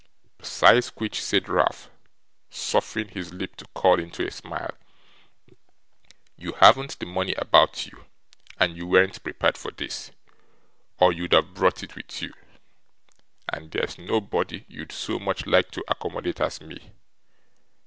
'Besides which,' said Ralph, suffering his lip to curl into a smile, 'you haven't the money about you, and you weren't prepared for this, or you'd have brought it with you; and there's nobody you'd so much like to accommodate as me.